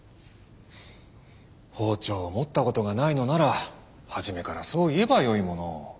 包丁を持ったことがないのなら初めからそう言えばよいものを。